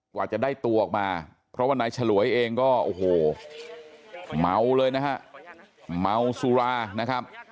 กว่าจะได้ตัวออกมาเพราะว่านายฉลวยเองก็โอ้โหเมาเลยนะฮะเมาสุรานะครับ